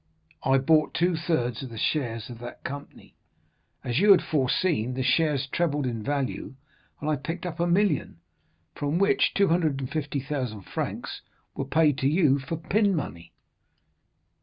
I bought two thirds of the shares of that company; as you had foreseen, the shares trebled in value, and I picked up a million, from which 250,000 francs were paid to you for pin money.